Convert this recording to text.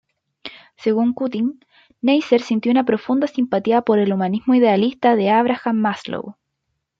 Según Cutting, Neisser sintió una "profunda simpatía por el humanismo idealista" de Abraham Maslow.